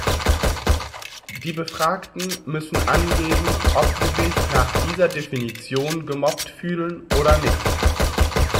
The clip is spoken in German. Die Befragten müssen angeben, ob sie sich nach dieser Definition gemobbt fühlen oder nicht.